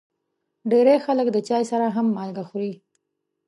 ډېری خلک د چای سره هم مالګه خوري.